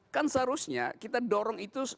kan seharusnya kita dorong itu